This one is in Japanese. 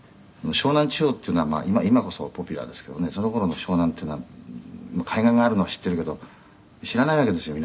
「湘南地方っていうのは今こそポピュラーですけどねその頃の湘南っていうのは海岸があるのは知ってるけど知らないわけですよ